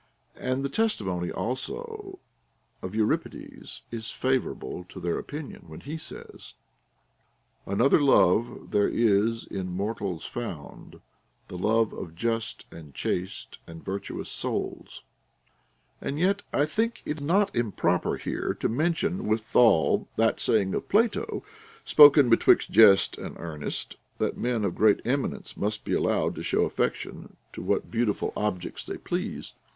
And the testimony also of Euripides is favorable to their opinion, when he says, — Another love there is in mortals found ; The love of just and chaste and virtuous souls.* And yet I think it not improper here to mention withal * From the Dictys of Euripides, Frag. 312. OF THE TRAINING OF CHILDREN. Ζ ι that saying of Plato, spoken betwixt jest and earnest, that men of great eminence must be allowed to show aifection to what beautiful objects they please.